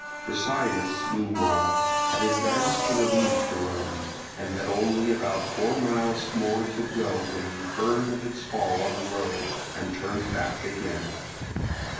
Brasidas meanwhile had advanced to relieve Torone, and had only about four miles more to go when he heard of its fall on the road, and turned back again.